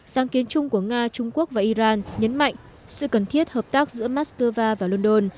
sáng kiến chung của nga trung quốc và iran nhấn mạnh sự cần thiết hợp tác giữa moscow và london